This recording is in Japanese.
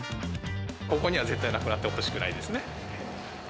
ここには、絶対なくなってほしくないですね。